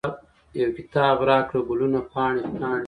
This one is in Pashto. یو کتاب راکړه، ګلونه پاڼې، پاڼې